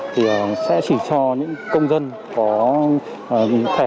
thì sẽ chỉ cho những công dân có thể